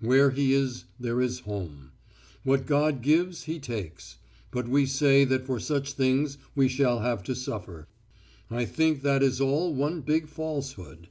Where he is there is his home. What God gives he takes. But we say that for such things we shall have to suffer. I think that is all one big falsehood...."